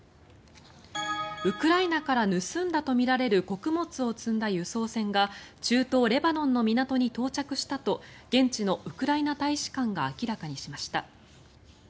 ウクライナから盗んだとみられる穀物を積んだ輸送船が中東レバノンの港に到着したと現地のウクライナ大使館が明らかにしました。